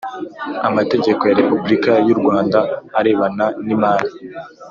Amategeko ya repubulika y u Rwanda arebana nimari